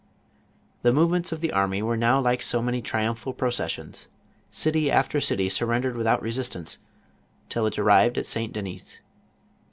The movements of the army were now like so many triumphal processions. City after eity surrendered without resistance, till it arrived at St. Denys.